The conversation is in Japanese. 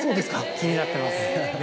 気になってます。